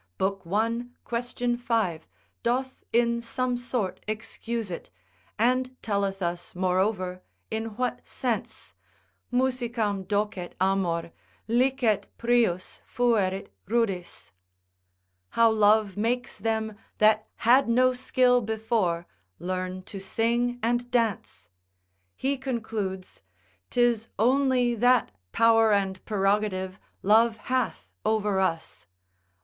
1. quaest. 5. doth in some sort excuse it, and telleth us moreover in what sense, Musicam docet amor, licet prius fuerit rudis, how love makes them that had no skill before learn to sing and dance; he concludes, 'tis only that power and prerogative love hath over us.